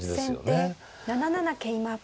先手７七桂馬。